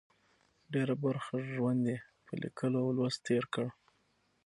ډېره برخه ژوند یې په لیکلو او لوست تېر کړه.